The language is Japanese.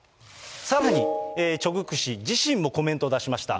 さらに、チョ・グク氏自身もコメント出しました。